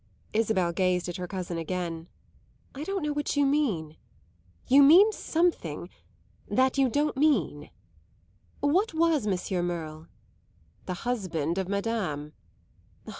Isabel gazed at her cousin again. "I don't know what you mean. You mean something that you don't mean. What was Monsieur Merle?" "The husband of Madame."